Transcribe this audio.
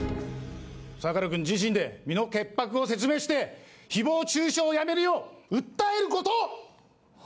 相良君自身で身の潔白を証明して誹謗中傷をやめるよう訴えること。